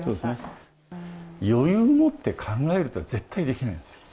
余裕を持って考えることは絶対できないです。